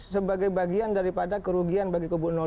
sebagai bagian daripada kerugian bagi kubu dua